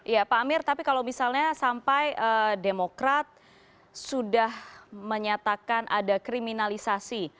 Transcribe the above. ya pak amir tapi kalau misalnya sampai demokrat sudah menyatakan ada kriminalisasi